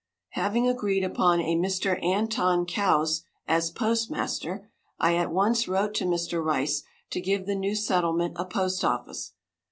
Having agreed upon a Mr. Anton Kouse as postmaster, I at once wrote to Mr. Rice to give the new settlement a postoffice.